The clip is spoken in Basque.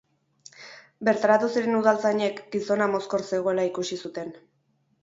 Bertaratu ziren udaltzainek gizona mozkor zegoela ikusi zuten.